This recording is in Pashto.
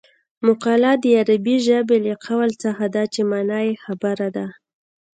مقوله د عربي ژبې له قول څخه ده چې مانا یې خبره ده